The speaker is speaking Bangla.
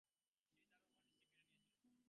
সেই দানব যা আমার দৃষ্টি কেড়ে নিয়েছিল।